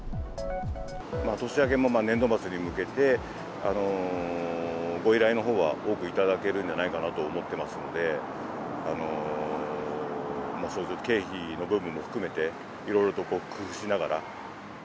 年明けも年度末に向けて、ご依頼のほうは多く頂けるんじゃないかと思ってますので、経費の部分も含めて、いろいろと工夫しながら。